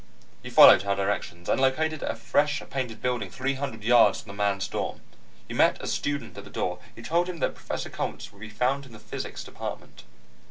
He followed her directions, and located a fresh painted building three hundred yards from the men's dorm. He met a student at the door, who told him that Professor Coltz would be found in the physics department.